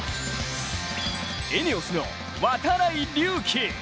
ＥＮＥＯＳの度会隆輝。